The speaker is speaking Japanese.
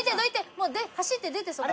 もう走って出てそこ。